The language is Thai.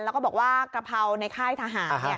แล้วก็บอกว่ากระเพราในค่ายทหาร